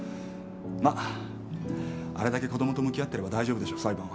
まっあれだけ子供と向き合ってれば大丈夫でしょう裁判は。